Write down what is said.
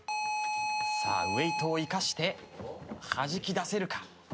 さあウエートを生かしてはじき出せるか。